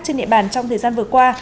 trên địa bàn trong thời gian vừa qua